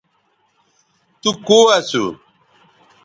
تو کو اسو